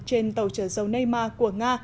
trên tàu trở dấu neymar của nga